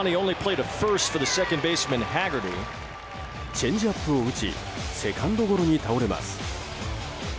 チェンジアップを打ちセカンドゴロに倒れます。